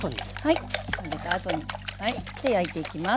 はい混ぜたあとに。で焼いていきます。